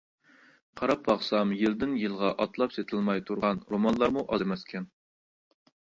قاراپ باقسام يىلدىن-يىلغا ئاتلاپ سېتىلماي تۇرغان رومانلارمۇ ئاز ئەمەسكەن.